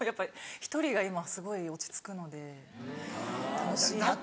１人が今すごい落ち着くので楽しいなって。